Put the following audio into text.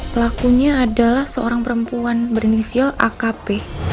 pelakunya adalah seorang perempuan berinisial akp